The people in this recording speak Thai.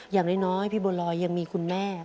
อย่างน้อยพี่บัวลอยยังมีคุณแม่